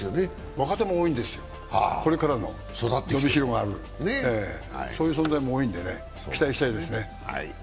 若手も多いんです、これからの伸びしろがあるそういう存在も多いんでね、期待したいですね。